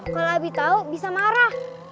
kalo abi tau bisa marah